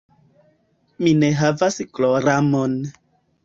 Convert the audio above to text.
Mi ne havas gloramon.